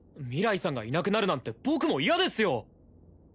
明日さんがいなくなるなんて僕も嫌ですよ